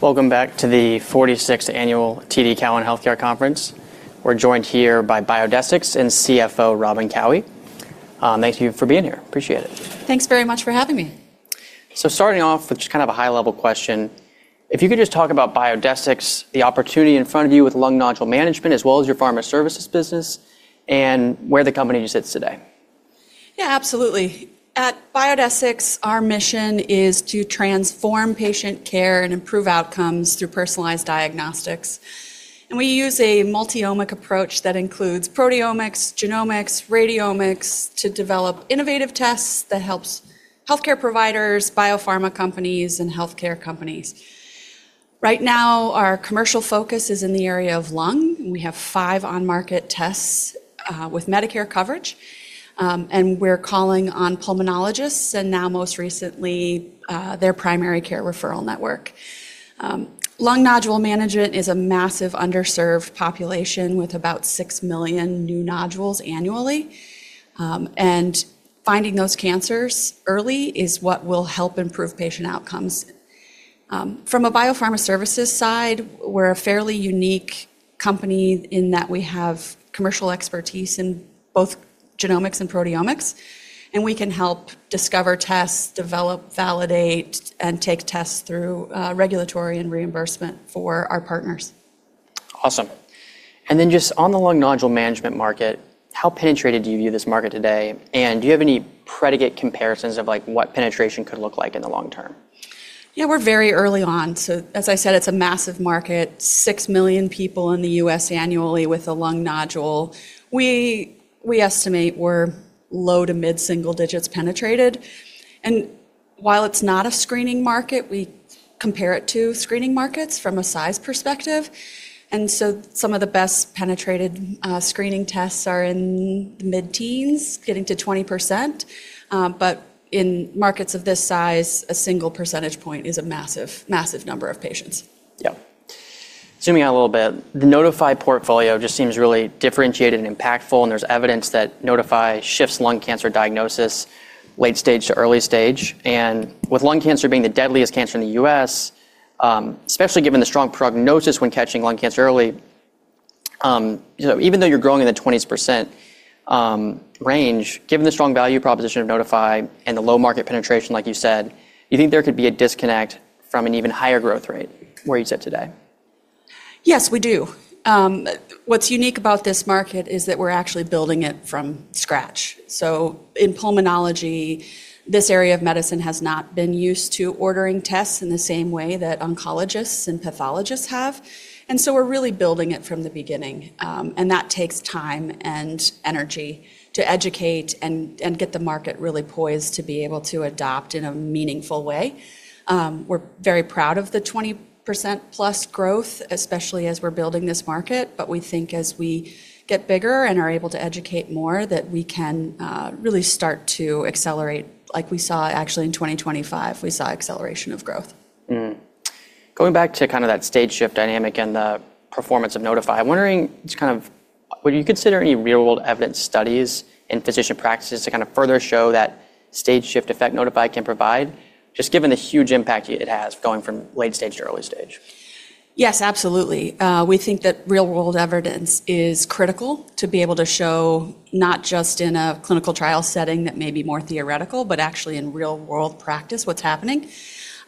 Welcome back to the 46th annual TD Cowen Healthcare Conference. We're joined here by Biodesix and CFO Robin Cowie. Thank you for being here. Appreciate it. Thanks very much for having me. Starting off with just kind of a high-level question, if you could just talk about Biodesix, the opportunity in front of you with lung nodule management, as well as your pharma services business and where the company just sits today. Yeah, absolutely. At Biodesix, our mission is to transform patient care and improve outcomes through personalized diagnostics. We use a multi-omic approach that includes proteomics, genomics, radiomics to develop innovative tests that helps healthcare providers, biopharma companies, and healthcare companies. Right now, our commercial focus is in the area of lung. We have five on-market tests with Medicare coverage. We're calling on pulmonologists and now most recently, their primary care referral network. Lung nodule management is a massive underserved population with about 6 million new nodules annually. Finding those cancers early is what will help improve patient outcomes. From a biopharma services side, we're a fairly unique company in that we have commercial expertise in both genomics and proteomics, and we can help discover tests, develop, validate, and take tests through regulatory and reimbursement for our partners. Awesome. Just on the lung nodule management market, how penetrated do you view this market today? Do you have any predicate comparisons of, like, what penetration could look like in the long term? Yeah, we're very early on. As I said, it's a massive market, six million people in the U.S. annually with a lung nodule. We estimate we're low to mid-single digits penetrated. While it's not a screening market, we compare it to screening markets from a size perspective. Some of the best penetrated screening tests are in the mid-teens, getting to 20%. In markets of this size, a single percentage point is a massive number of patients. Zooming out a little bit, the Nodify portfolio just seems really differentiated and impactful, and there's evidence that Nodify shifts lung cancer diagnosis late stage to early stage. With lung cancer being the deadliest cancer in the U.S., especially given the strong prognosis when catching lung cancer early, you know, even though you're growing in the 20% range, given the strong value proposition of Nodify and the low market penetration, like you said, you think there could be a disconnect from an even higher growth rate where you sit today? Yes, we do. What's unique about this market is that we're actually building it from scratch. In pulmonology, this area of medicine has not been used to ordering tests in the same way that oncologists and pathologists have. We're really building it from the beginning, and that takes time and energy to educate and get the market really poised to be able to adopt in a meaningful way. We're very proud of the 20%+ growth, especially as we're building this market. We think as we get bigger and are able to educate more, that we can really start to accelerate. Like we saw actually in 2025, we saw acceleration of growth. Going back to kind of that stage shift dynamic and the performance of Nodify, I'm wondering just kind of would you consider any real-world evidence studies in physician practices to kind of further show that stage shift effect Nodify can provide, just given the huge impact it has going from late stage to early stage? Yes, absolutely. We think that real-world evidence is critical to be able to show not just in a clinical trial setting that may be more theoretical, but actually in real-world practice what's happening.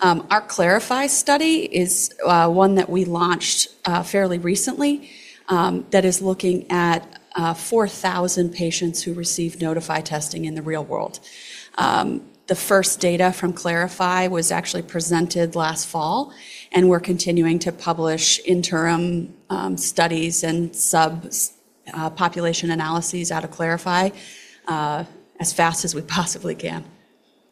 Our Clarify study is one that we launched fairly recently that is looking at 4,000 patients who received Nodify testing in the real world. The first data from Clarify was actually presented last fall, and we're continuing to publish interim studies and sub population analyses out of Clarify as fast as we possibly can.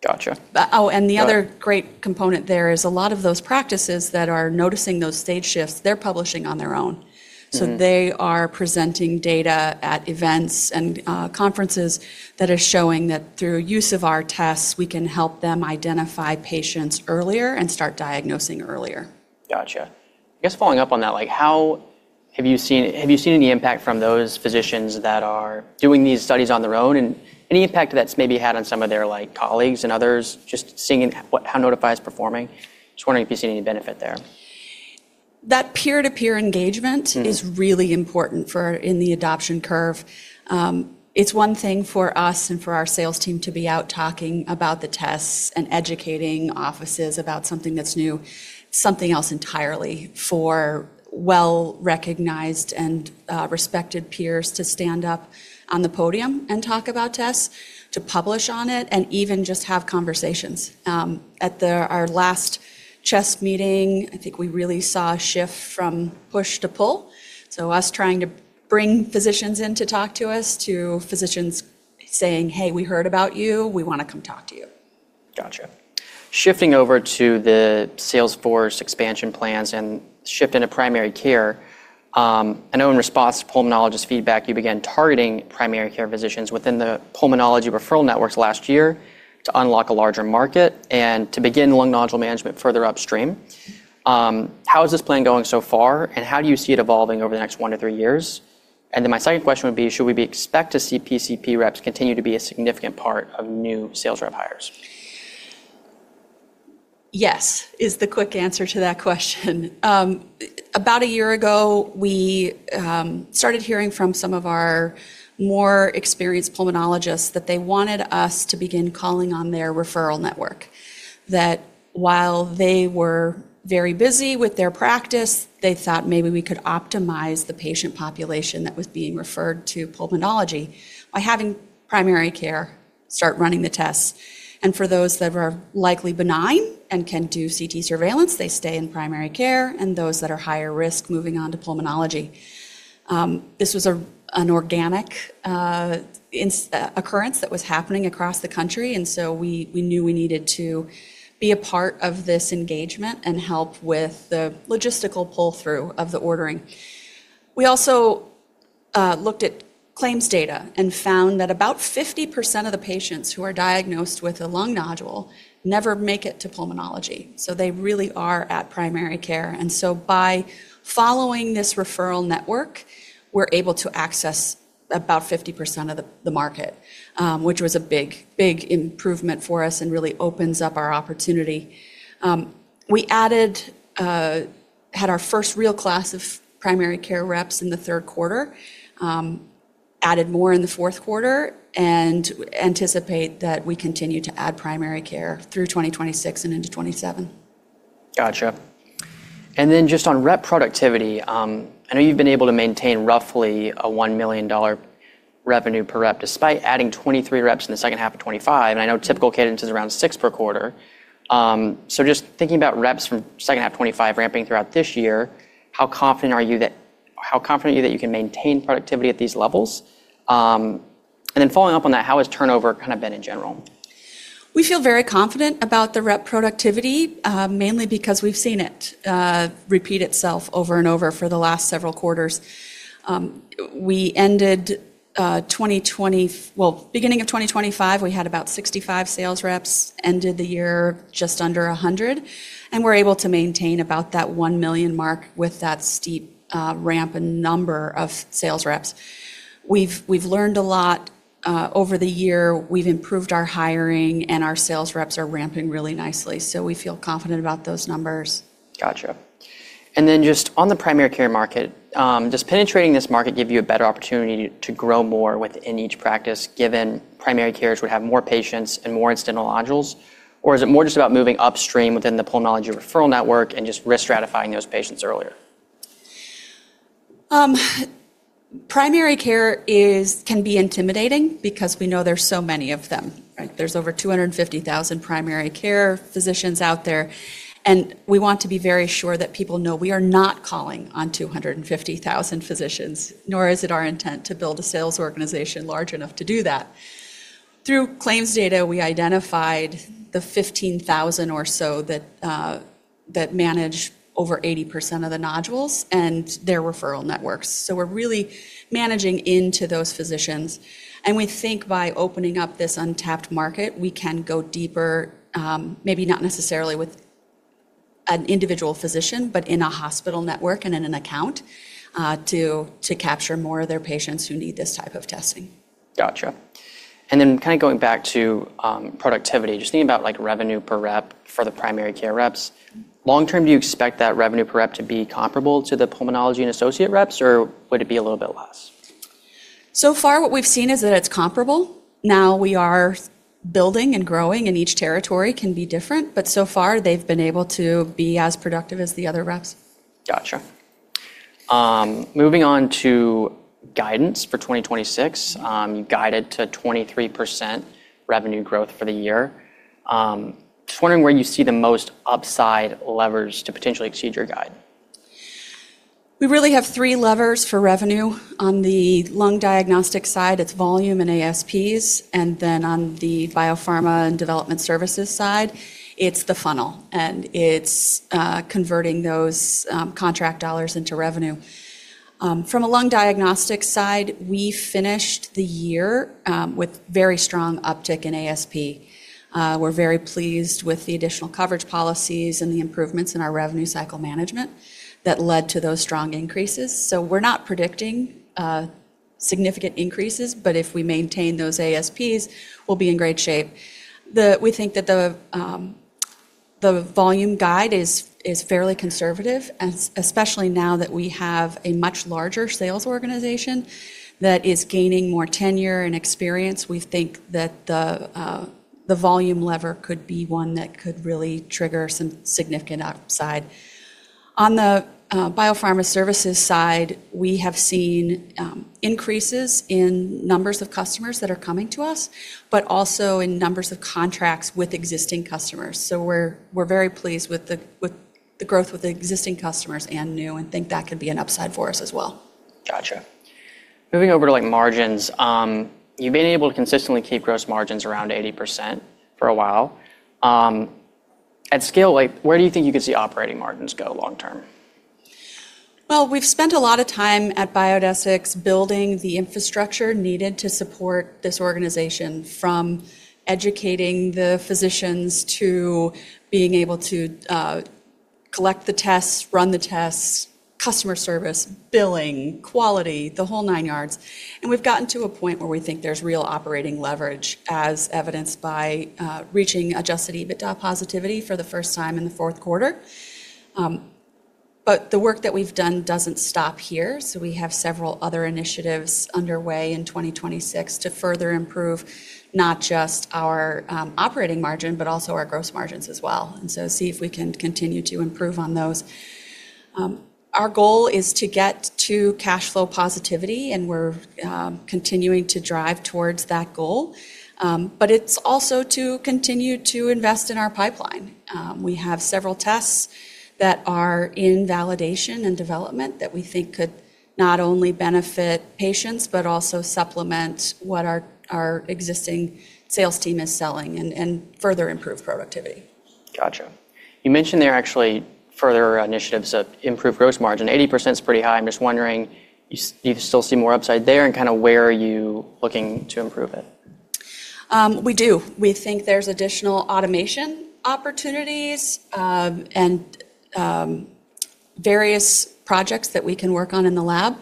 Gotcha. Oh, the other great component there is a lot of those practices that are noticing those stage shifts, they're publishing on their own. Mm. They are presenting data at events and conferences that are showing that through use of our tests, we can help them identify patients earlier and start diagnosing earlier. Gotcha. I guess following up on that, like, have you seen any impact from those physicians that are doing these studies on their own and any impact that's maybe had on some of their, like, colleagues and others just seeing how Nodify is performing? Just wondering if you see any benefit there. That peer-to-peer engagement. Mm. Is really important for in the adoption curve. It's one thing for us and for our sales team to be out talking about the tests and educating offices about something that's new. Something else entirely for well-recognized and respected peers to stand up on the podium and talk about tests, to publish on it, and even just have conversations. At our last CHEST meeting, I think we really saw a shift from push to pull. Us trying to bring physicians in to talk to us, to physicians saying, "Hey, we heard about you. We wanna come talk to you. Gotcha. Shifting over to the sales force expansion plans and shift into primary care, I know in response to pulmonologist feedback, you began targeting primary care physicians within the pulmonology referral networks last year to unlock a larger market and to begin lung nodule management further upstream. How is this plan going so far, and how do you see it evolving over the next one to three years? My second question would be, expect to see PCP reps continue to be a significant part of new sales rep hires? Yes, is the quick answer to that question. About a year ago, we started hearing from some of our more experienced pulmonologists that they wanted us to begin calling on their referral network. That while they were very busy with their practice, they thought maybe we could optimize the patient population that was being referred to pulmonology by having primary care start running the tests. For those that are likely benign and can do CT surveillance, they stay in primary care, and those that are higher risk moving on to pulmonology. This was an organic occurrence that was happening across the country, we knew we needed to be a part of this engagement and help with the logistical pull-through of the ordering. We also looked at claims data and found that about 50% of the patients who are diagnosed with a lung nodule never make it to pulmonology. They really are at primary care. By following this referral network, we're able to access about 50% of the market, which was a big, big improvement for us and really opens up our opportunity. We had our first real class of primary care reps in the Q3, added more in the Q4 and anticipate that we continue to add primary care through 2026 and into 2027. Gotcha. Just on rep productivity, I know you've been able to maintain roughly a $1 million revenue per rep, despite adding 23 reps in the H2 of 2025, and I know typical cadence is around six per quarter. Just thinking about reps from H2 2025 ramping throughout this year, how confident are you that you can maintain productivity at these levels? Following up on that, how has turnover kind of been in general? We feel very confident about the rep productivity, mainly because we've seen it repeat itself over and over for the last several quarters. Well, beginning of 2025, we had about 65 sales reps. Ended the year just under 100, and we're able to maintain about that $1 million mark with that steep ramp in number of sales reps. We've learned a lot over the year. We've improved our hiring, and our sales reps are ramping really nicely. We feel confident about those numbers. Gotcha. Just on the primary care market, does penetrating this market give you a better opportunity to grow more within each practice, given primary cares would have more patients and more incidental nodules? Or is it more just about moving upstream within the pulmonology referral network and just risk stratifying those patients earlier? Primary care can be intimidating because we know there's so many of them, right? There's over 250,000 primary care physicians out there, and we want to be very sure that people know we are not calling on 250,000 physicians, nor is it our intent to build a sales organization large enough to do that. Through claims data, we identified the 15,000 or so that manage over 80% of the nodules and their referral networks. We're really managing into those physicians. We think by opening up this untapped market, we can go deeper, maybe not necessarily with an individual physician, but in a hospital network and in an account, to capture more of their patients who need this type of testing. Gotcha. Kinda going back to productivity, just thinking about, like, revenue per rep for the primary care reps, long term, do you expect that revenue per rep to be comparable to the pulmonology and associate reps, or would it be a little bit less? So far what we've seen is that it's comparable. Now we are building and growing, and each territory can be different, but so far they've been able to be as productive as the other reps. Gotcha. Moving on to guidance for 2026. You guided to 23% revenue growth for the year. Just wondering where you see the most upside levers to potentially exceed your guide. We really have 3 levers for revenue. On the lung diagnostic side, it's volume and ASPs, on the biopharma and development services side, it's the funnel, and it's converting those contract $ into revenue. From a lung diagnostic side, we finished the year with very strong uptick in ASP. We're very pleased with the additional coverage policies and the improvements in our revenue cycle management that led to those strong increases. We're not predicting significant increases, but if we maintain those ASPs, we'll be in great shape. We think that the volume guide is fairly conservative, especially now that we have a much larger sales organization that is gaining more tenure and experience. We think that the volume lever could be one that could really trigger some significant upside. On the biopharma services side, we have seen increases in numbers of customers that are coming to us, but also in numbers of contracts with existing customers. We're very pleased with the with the growth with the existing customers and new, and think that could be an upside for us as well. Gotcha. Moving over to, like, margins, you've been able to consistently keep gross margins around 80% for a while. At scale, like, where do you think you could see operating margins go long term? Well, we've spent a lot of time at Biodesix building the infrastructure needed to support this organization, from educating the physicians to being able to collect the tests, run the tests, customer service, billing, quality, the whole nine yards. We've gotten to a point where we think there's real operating leverage as evidenced by reaching adjusted EBITDA positivity for the first time in the Q4. The work that we've done doesn't stop here, so we have several other initiatives underway in 2026 to further improve not just our operating margin, but also our gross margins as well, and so see if we can continue to improve on those. Our goal is to get to cash flow positivity, and we're continuing to drive towards that goal. It's also to continue to invest in our pipeline. We have several tests that are in validation and development that we think could not only benefit patients but also supplement what our existing sales team is selling and further improve productivity. Gotcha. You mentioned there are actually further initiatives of improved gross margin. 80%'s pretty high. I'm just wondering, you still see more upside there and kinda where are you looking to improve it? We do. We think there's additional automation opportunities, and various projects that we can work on in the lab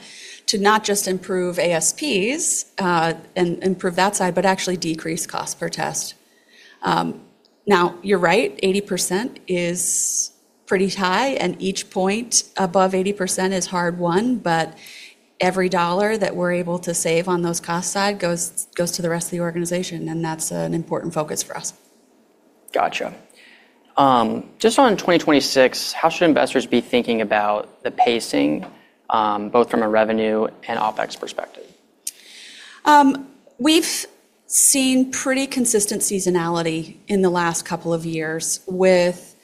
to not just improve ASPs, and improve that side, but actually decrease cost per test. Now, you're right, 80% is pretty high, and each point above 80% is hard-won, but every $1 that we're able to save on those cost side goes to the rest of the organization, and that's an important focus for us. Gotcha. Just on 2026, how should investors be thinking about the pacing, both from a revenue and OpEx perspective? We've seen pretty consistent seasonality in the last couple of years with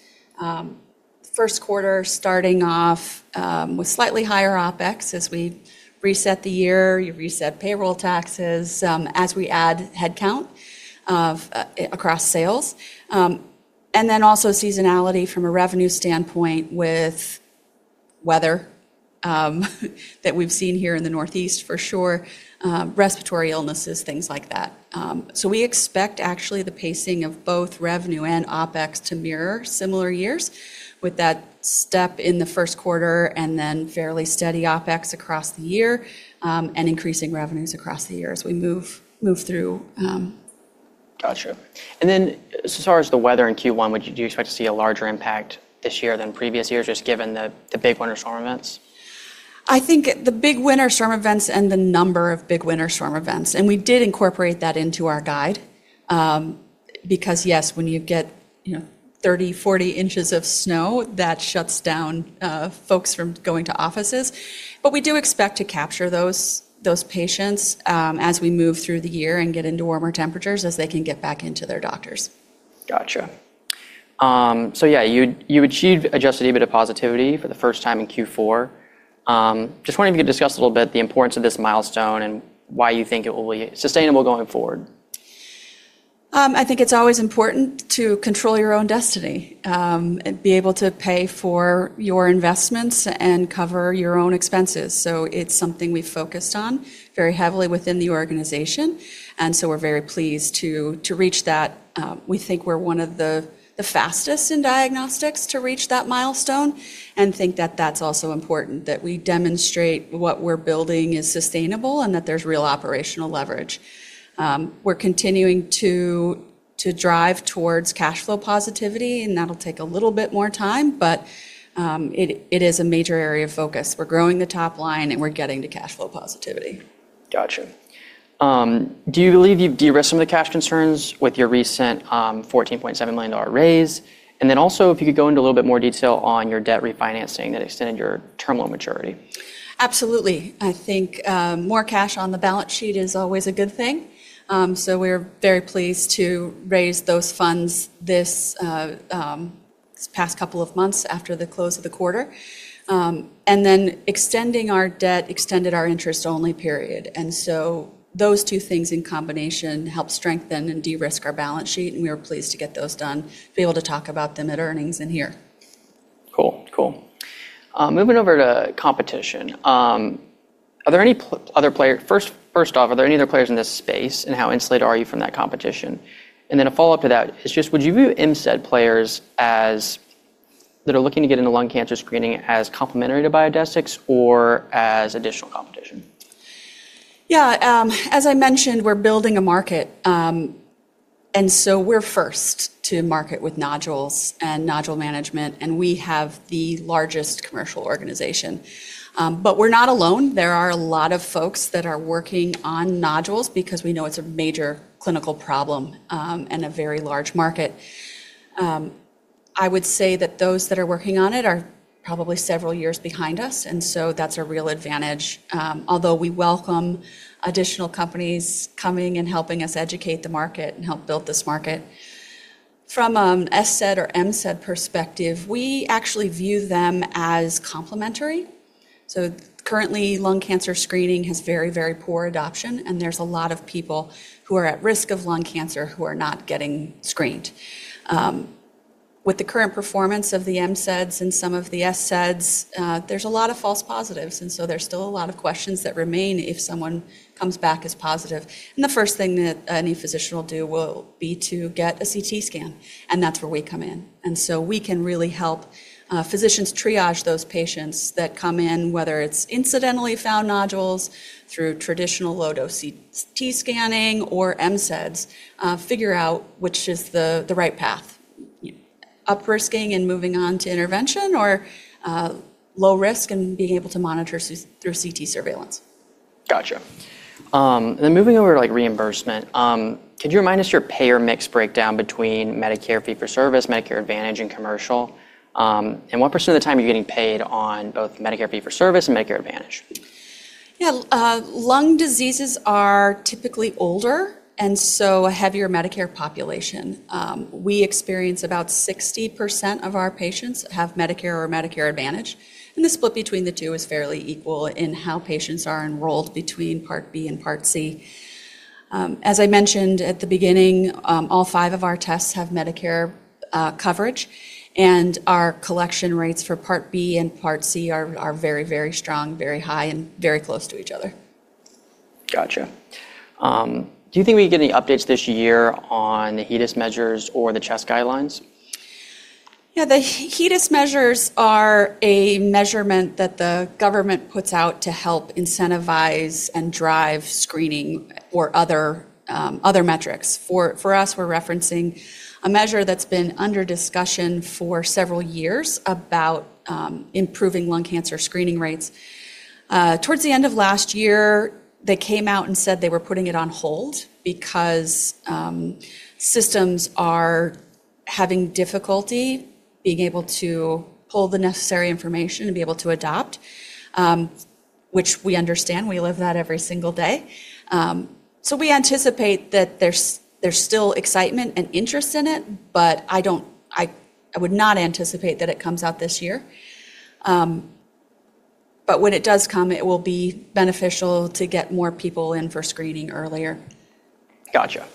Q1 starting off with slightly higher OpEx as we reset the year, you reset payroll taxes, as we add headcount across sales. Also seasonality from a revenue standpoint with weather that we've seen here in the Northeast for sure, respiratory illnesses, things like that. We expect actually the pacing of both revenue and OpEx to mirror similar years with that step in the Q1 and then fairly steady OpEx across the year, and increasing revenues across the year as we move through. Gotcha. As far as the weather in Q1, do you expect to see a larger impact this year than previous years just given the big winter storm events? I think the big winter storm events and the number of big winter storm events. We did incorporate that into our guide because, yes, when you get, you know, 30, 40 inches of snow, that shuts down folks from going to offices. We do expect to capture those patients as we move through the year and get into warmer temperatures as they can get back into their doctors. Gotcha. yeah, you achieved adjusted EBITDA positivity for the first time in Q4. Just wondering if you could discuss a little bit the importance of this milestone and why you think it will be sustainable going forward. I think it's always important to control your own destiny and be able to pay for your investments and cover your own expenses. It's something we've focused on very heavily within the organization, we're very pleased to reach that. We think we're one of the fastest in diagnostics to reach that milestone and think that that's also important, that we demonstrate what we're building is sustainable and that there's real operational leverage. We're continuing to drive towards cash flow positivity, and that'll take a little bit more time, but it is a major area of focus. We're growing the top line, and we're getting to cash flow positivity. Gotcha. Do you believe you've de-risked some of the cash concerns with your recent, $14.7 million raise? Also, if you could go into a little bit more detail on your debt refinancing that extended your term loan maturity? Absolutely. I think more cash on the balance sheet is always a good thing. We're very pleased to raise those funds this past couple of months after the close of the quarter. Extending our debt extended our interest-only period. Those two things in combination help strengthen and de-risk our balance sheet, and we were pleased to get those done, be able to talk about them at earnings and here. Cool. Cool. Moving over to competition. First off, are there any other players in this space, and how insulated are you from that competition? Then a follow-up to that is just would you view MCED players as... that are looking to get into lung cancer screening as complementary to Biodesix or as additional competition? Yeah. As I mentioned, we're building a market. We're first to market with nodules and nodule management, and we have the largest commercial organization. We're not alone. There are a lot of folks that are working on nodules because we know it's a major clinical problem and a very large market. I would say that those that are working on it are probably several years behind us, and so that's a real advantage, although we welcome additional companies coming and helping us educate the market and help build this market. From SCED or MCED perspective, we actually view them as complementary. Currently, lung cancer screening has very, very poor adoption, and there's a lot of people who are at risk of lung cancer who are not getting screened. With the current performance of the MCEDs and some of the SCEDs, there's a lot of false positives, and so there's still a lot of questions that remain if someone comes back as positive. The first thing that any physician will do will be to get a CT scan, and that's where we come in. We can really help physicians triage those patients that come in, whether it's incidentally found nodules through traditional low-dose CT scanning or MCEDs, figure out which is the right path. Up-risking and moving on to intervention or low risk and being able to monitor through CT surveillance. Gotcha. Moving over to, like, reimbursement, could you remind us your payer mix breakdown between Medicare fee-for-service, Medicare Advantage, and commercial? What % of the time are you getting paid on both Medicare fee-for-service and Medicare Advantage? Yeah. Lung diseases are typically older and so a heavier Medicare population. We experience about 60% of our patients have Medicare or Medicare Advantage, and the split between the two is fairly equal in how patients are enrolled between Part B and Part C. As I mentioned at the beginning, all five of our tests have Medicare coverage, and our collection rates for Part B and Part C are very, very strong, very high, and very close to each other. Gotcha. Do you think we can get any updates this year on the HEDIS measures or the CHEST guidelines? Yeah. The HEDIS measures are a measurement that the government puts out to help incentivize and drive screening or other metrics. For us, we're referencing a measure that's been under discussion for several years about, improving lung cancer screening rates. Towards the end of last year, they came out and said they were putting it on hold because, systems are having difficulty being able to pull the necessary information to be able to adopt, which we understand. We live that every single day. We anticipate that there's still excitement and interest in it, but I would not anticipate that it comes out this year. When it does come, it will be beneficial to get more people in for screening earlier. Gotcha.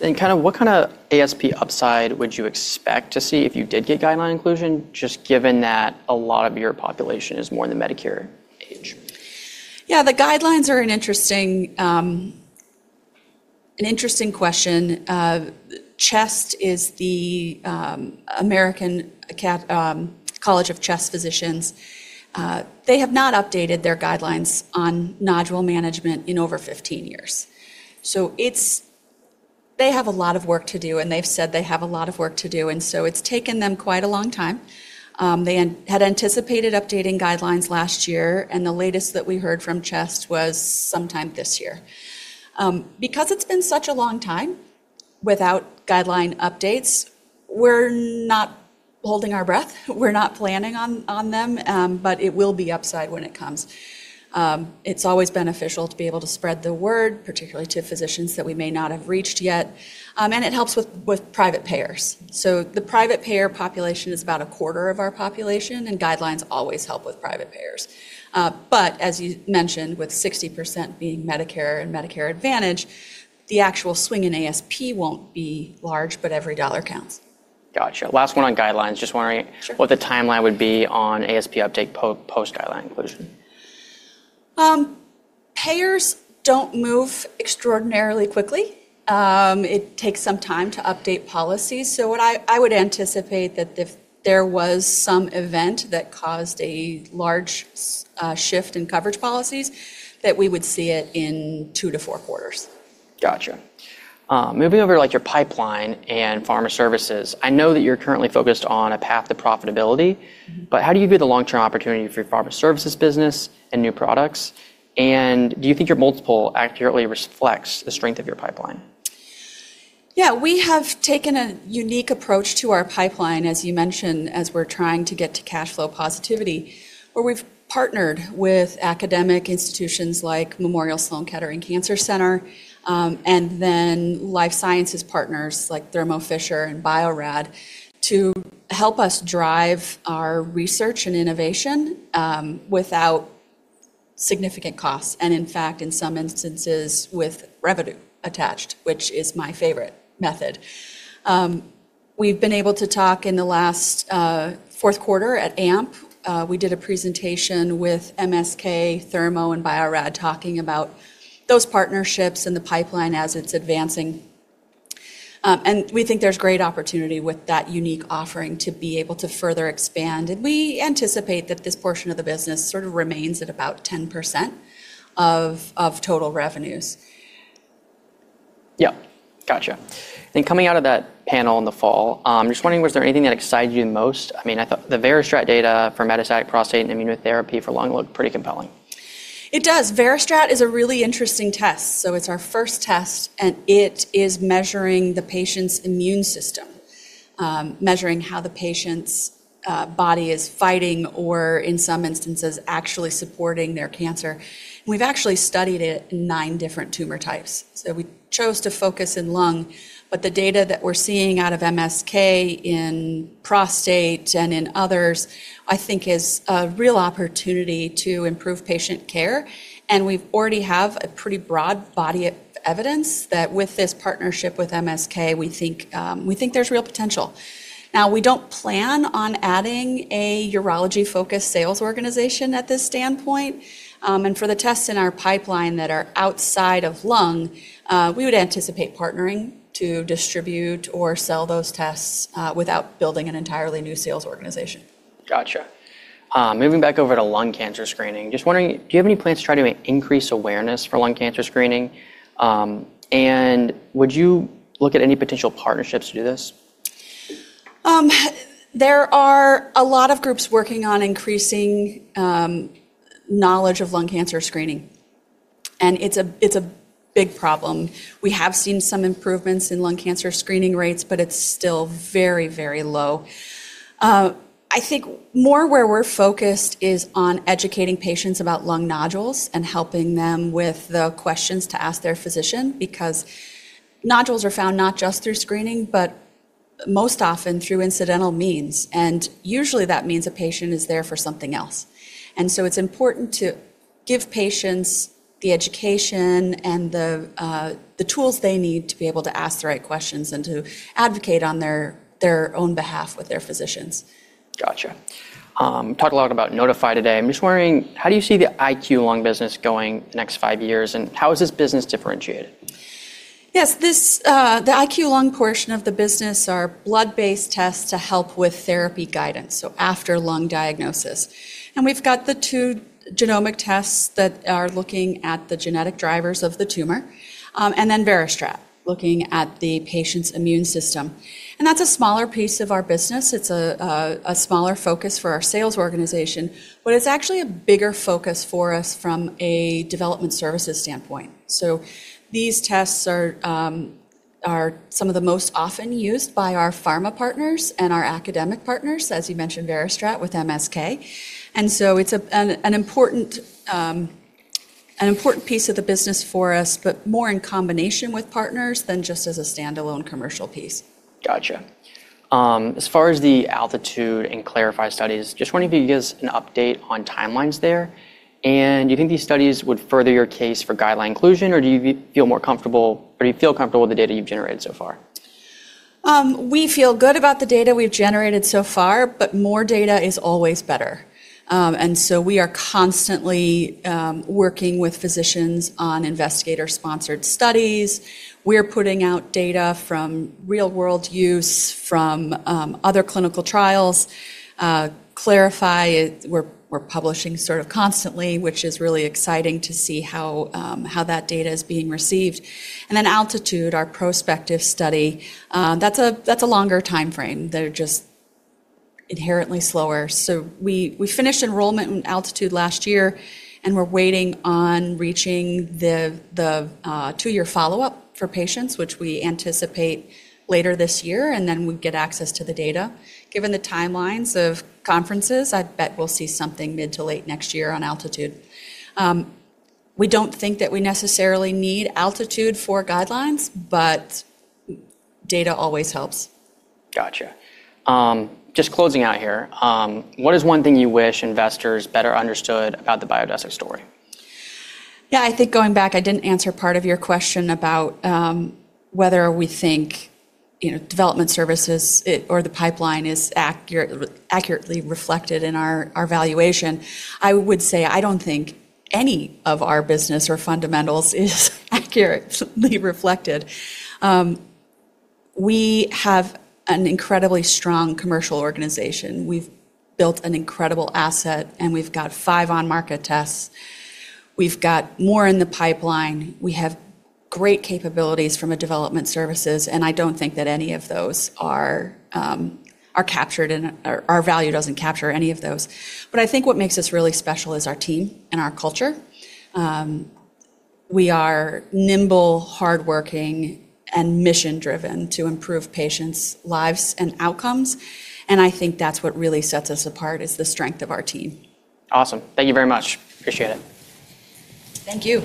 kind of what kind of ASP upside would you expect to see if you did get guideline inclusion, just given that a lot of your population is more in the Medicare age? The guidelines are an interesting question. CHEST is the American College of Chest Physicians. They have not updated their guidelines on nodule management in over 15 years. They have a lot of work to do, and they've said they have a lot of work to do, and so it's taken them quite a long time. They had anticipated updating guidelines last year, and the latest that we heard from CHEST was sometime this year. Because it's been such a long time without guideline updates, we're not holding our breath. We're not planning on them. It will be upside when it comes. It's always beneficial to be able to spread the word, particularly to physicians that we may not have reached yet. It helps with private payers. The private payer population is about a quarter of our population, and guidelines always help with private payers. But as you mentioned, with 60% being Medicare and Medicare Advantage, the actual swing in ASP won't be large, but every dollar counts. Gotcha. Last one on guidelines. Just wondering. Sure... what the timeline would be on ASP update post guideline inclusion. Payers don't move extraordinarily quickly. It takes some time to update policies. I would anticipate that if there was some event that caused a large shift in coverage policies, that we would see it in two to four quarters. Gotcha. Moving over to, like, your pipeline and pharma services, I know that you're currently focused on a path to profitability. Mm-hmm. How do you view the long-term opportunity for your pharma services business and new products? Do you think your multiple accurately reflects the strength of your pipeline? We have taken a unique approach to our pipeline, as you mentioned, as we're trying to get to cash flow positivity, where we've partnered with academic institutions like Memorial Sloan Kettering Cancer Center, and then life sciences partners like Thermo Fisher and Bio-Rad to help us drive our research and innovation, without significant costs and, in fact, in some instances, with revenue attached, which is my favorite method. We've been able to talk in the last Q4 at AMP. We did a presentation with MSK, Thermo, and Bio-Rad talking about those partnerships and the pipeline as it's advancing. We think there's great opportunity with that unique offering to be able to further expand, and we anticipate that this portion of the business sort of remains at about 10% of total revenues. Yeah. Gotcha. I think coming out of that panel in the fall, just wondering, was there anything that excited you the most? I mean, I thought the VeriStrat data for metastatic prostate and immunotherapy for lung looked pretty compelling. It does. VeriStrat is a really interesting test. It's our first test, and it is measuring the patient's immune system, measuring how the patient's body is fighting or, in some instances, actually supporting their cancer. We've actually studied it in 9 different tumor types. We chose to focus in lung, but the data that we're seeing out of MSK in prostate and in others, I think is a real opportunity to improve patient care, and we already have a pretty broad body of evidence that with this partnership with MSK, we think there's real potential. Now we don't plan on adding a urology-focused sales organization at this standpoint. For the tests in our pipeline that are outside of lung, we would anticipate partnering to distribute or sell those tests, without building an entirely new sales organization. Gotcha. Moving back over to lung cancer screening, just wondering, do you have any plans to try to increase awareness for lung cancer screening? Would you look at any potential partnerships to do this? There are a lot of groups working on increasing knowledge of lung cancer screening. It's a big problem. We have seen some improvements in lung cancer screening rates, but it's still very, very low. I think more where we're focused is on educating patients about lung nodules and helping them with the questions to ask their physician because nodules are found not just through screening, but most often through incidental means, and usually that means a patient is there for something else. It's important to give patients the education and the tools they need to be able to ask the right questions and to advocate on their own behalf with their physicians. Gotcha. Talked a lot about Nodify today. I'm just wondering, how do you see the IQLung business going the next five years, and how is this business differentiated? Yes. This, the IQLung portion of the business are blood-based tests to help with therapy guidance, so after lung diagnosis. We've got the two genomic tests that are looking at the genetic drivers of the tumor, and then VeriStrat looking at the patient's immune system, and that's a smaller piece of our business. It's a smaller focus for our sales organization, but it's actually a bigger focus for us from a development services standpoint. These tests are some of the most often used by our pharma partners and our academic partners, as you mentioned, VeriStrat with MSK. It's an important, an important piece of the business for us, but more in combination with partners than just as a standalone commercial piece. Gotcha. As far as the ALTITUDE and Clarify studies, just wondering if you could give us an update on timelines there, and you think these studies would further your case for guideline inclusion, or do you feel comfortable with the data you've generated so far? We feel good about the data we've generated so far, but more data is always better. We are constantly working with physicians on investigator-sponsored studies. We're putting out data from real-world use from other clinical trials. Clarify, we're publishing sort of constantly, which is really exciting to see how that data is being received. Altitude, our prospective study, that's a longer timeframe. They're just inherently slower. We finished enrollment in Altitude last year, and we're waiting on reaching the two-year follow-up for patients which we anticipate later this year, and then we'd get access to the data. Given the timelines of conferences, I bet we'll see something mid to late next year on Altitude. We don't think that we necessarily need Altitude for guidelines, but data always helps. Gotcha. Just closing out here, what is one thing you wish investors better understood about the Biodesix story? Yeah. I think going back, I didn't answer part of your question about, whether we think, you know, development services, or the pipeline is accurately reflected in our valuation. I would say I don't think any of our business or fundamentals is accurately reflected. We have an incredibly strong commercial organization. We've built an incredible asset. We've got five on-market tests. We've got more in the pipeline. We have great capabilities from a development services. I don't think that any of those are captured in. Our value doesn't capture any of those. I think what makes us really special is our team and our culture. We are nimble, hardworking, and mission-driven to improve patients' lives and outcomes. I think that's what really sets us apart, is the strength of our team. Awesome. Thank you very much. Appreciate it. Thank you.